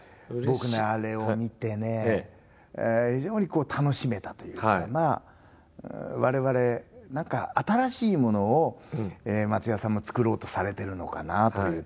僕ねあれを見てね非常に楽しめたというかな我々何か新しいものを松也さんも作ろうとされてるのかなという点でね